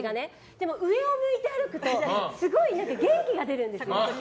でも、上を向いて歩くとすごい元気が出るんですよ。